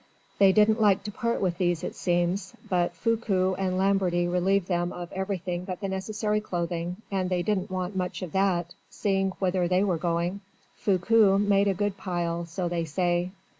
They didn't like to part with these, it seems. But Foucaud and Lamberty relieved them of everything but the necessary clothing, and they didn't want much of that, seeing whither they were going. Foucaud made a good pile, so they say.